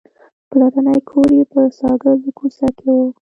پلرنی کور یې په ساګزو کوڅه کې و.